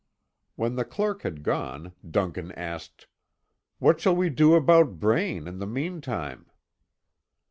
When the clerk had gone, Duncan asked: "What shall we do about Braine, in the mean time?"